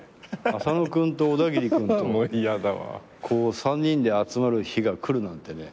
浅野君とオダギリ君とこう３人で集まる日が来るなんてね。